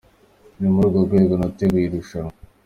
Ni muri urwo rwego nateguye iri rushanwa.